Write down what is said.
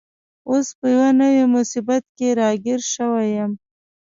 اوس په یوه نوي مصیبت کي راګیر شوی یم.